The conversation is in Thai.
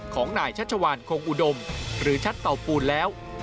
ของนายชัชวานคงอุดมหรือชัดเตาปูนแล้ว